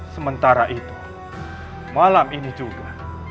sementara itu malam ini juga